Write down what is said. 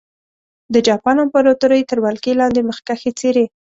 د جاپان امپراتورۍ تر ولکې لاندې مخکښې څېرې.